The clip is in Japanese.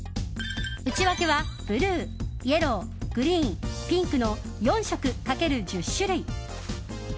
内訳はブルー、イエローグリーン、ピンクの４色×１０種類。